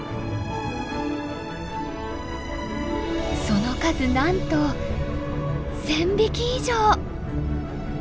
その数なんと１，０００匹以上！